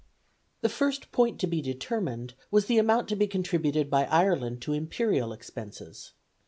The first point to be determined was the amount to be contributed by Ireland to imperial expenses.